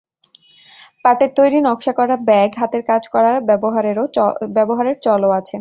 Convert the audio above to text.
পাটের তৈরি নকশা করা ব্যাগ, হাতের কাজ করা ব্যবহারের চলও আছে।